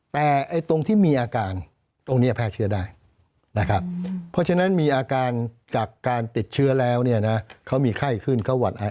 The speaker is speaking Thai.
แต่ตรงที่มีอาการตรงนี้แพร่เชื้อได้นะครับเพราะฉะนั้นมีอาการจากการติดเชื้อแล้วเนี่ยนะเขามีไข้ขึ้นเขาหวัด